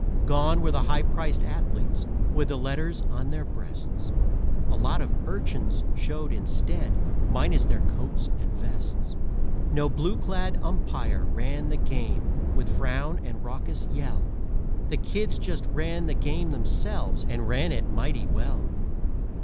Gone were the high priced athletes with the letters on their breasts; A lot of urchins showed instead, minus their coats and vests No blue clad umpire ran the game with frown and raucous yell The kids just ran the game themselves, and ran it mighty well.